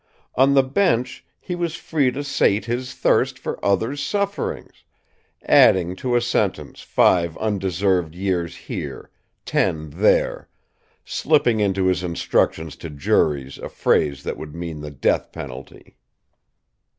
On the bench, he was free to sate his thirst for others' sufferings adding to a sentence five undeserved years here, ten there; slipping into his instructions to juries a phrase that would mean the death penalty!